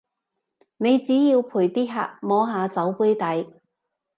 你只要陪啲客摸下酒杯底